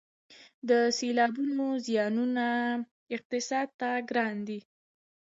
د سیلابونو زیانونه اقتصاد ته ګران دي